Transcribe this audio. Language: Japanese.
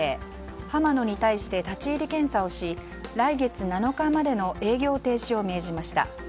はま乃に対して立ち入り検査をし来月７日までの営業停止を命じました。